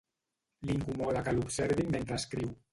L'incomoda que l'observin mentre escriu.